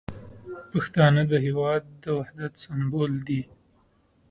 پښتانه د هیواد د وحدت سمبول دي.